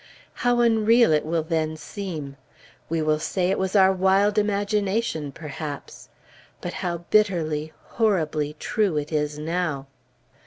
How unreal it will then seem! We will say it was our wild imagination, perhaps. But how bitterly, horribly true it is now!